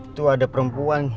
itu ada perempuan